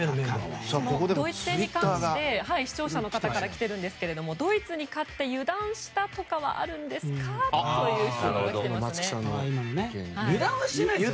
ドイツ戦に関して視聴者の方からきてるんですけどドイツに勝って油断したとかはあるんですか？という油断はしていないですね。